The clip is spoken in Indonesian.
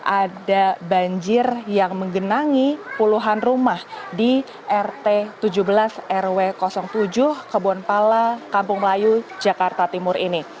ada banjir yang menggenangi puluhan rumah di rt tujuh belas rw tujuh kebonpala kampung melayu jakarta timur ini